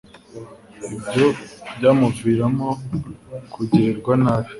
ibyo byamuviramo kugirirwa nabi